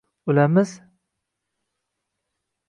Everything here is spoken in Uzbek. O’lamiz?